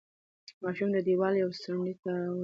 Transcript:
ماشوم د دېوال یوې څنډې ته ولوېد.